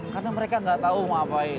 karena mereka nggak tahu mau ngapain